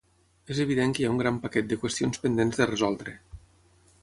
És evident que hi ha un gran paquet de qüestions pendents de resoldre